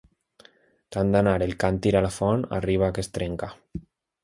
Tant d'anar el càntir a la font, arriba que es trenca.